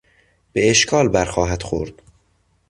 به اشکال بر خواهد خورد.